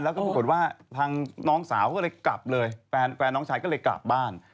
แล้วก็ปรากฏว่าทางน้องสาวก็เลยกลับเลยแฟนน้องชายก็เลยกลับบ้าน